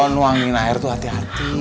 nuangin air itu hati hati